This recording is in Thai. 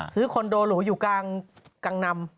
ซื้อคอนโดหรืออยู่กลางกังนำ